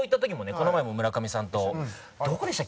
この前も村上さんとどこでした？